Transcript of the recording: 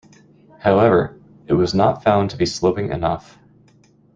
However, it was not found to be sloping enough.